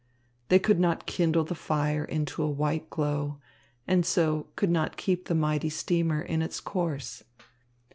They could not kindle the fire into a white glow, and so could not keep the mighty steamer in its course.